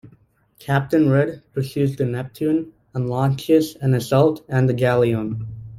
Captain Red pursues the "Neptune" and launches an assault on the galleon.